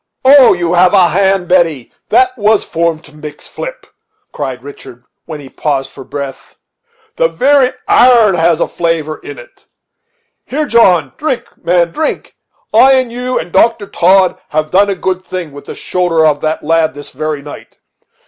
"Oh! you have a hand. Betty, that was formed to mix flip," cried Richard, when he paused for breath. "The very iron has a flavor in it. Here, John, drink, man, drink! I and you and Dr. Todd have done a good thing with the shoulder of that lad this very night.